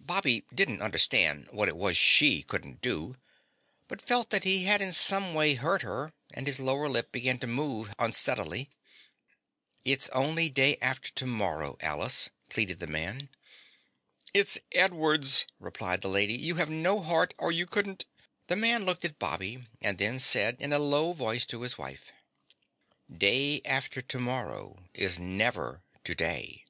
Bobby didn't understand what it was she couldn't do, but felt that he had in some way hurt her and his lower lip began to move unsteadily. "It's only day after tomorrow, Alice," pleaded the man. "It's Edward's," replied the Lady. "You have no heart or you couldn't. ..." The man looked at Bobby and then said in a low voice to his wife: "Day after tomorrow is never to day."